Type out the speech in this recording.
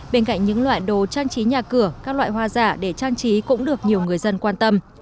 bên cạnh những loại đồ trang trí nhà cửa các loại hoa giả để trang trí cũng được nhiều người dân quan tâm